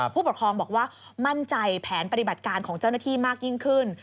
ผู้ปกครองบอกว่ามั่นใจแผนปฏิบัติการของเจ้าหน้าที่มากยิ่งขึ้น